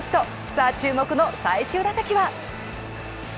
さあ、注目の最終打席は？